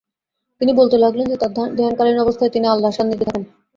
তিনি বলতে লাগলেন যে তার ধ্যানকালীন অবস্থায় তিনি আল্লাহ সান্নিধ্যে থাকেন।